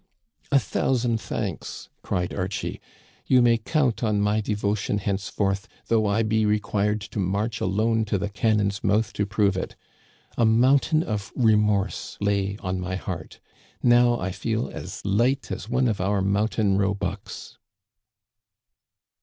"* A thousand thanks !' cried Archie. * You may count on my devotion henceforth, though I be required to march alone to the cannon's mouth to prove it. A mountain of remorse lay on my heart. Now I feel as light as one of our mountain roebucks